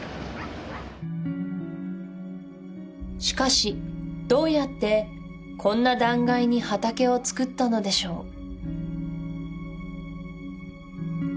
しかしどうやってこんな断崖に畑を造ったのでしょう？